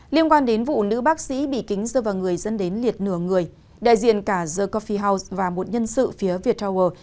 liên quan đến vụ nữ bác sĩ bị kính dơ vào người dân đến liệt nửa người đại diện cả the coffee house và một nhân sự phía viettower